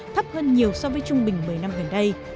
thấp hơn nhiều so với trung bình một mươi năm gần đây